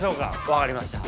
分かりました。